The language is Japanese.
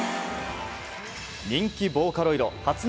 人気ボーカロイド初音